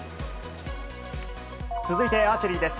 続いてアーチェリーです。